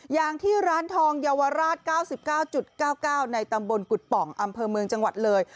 อย่างที่ร้านทองเยาวราช๙๙๙๙๙ในตำบลกุฎป่องอำเภอเมืองจังหวัดเลย